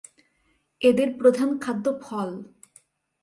এদের প্রধান খাদ্য ফল।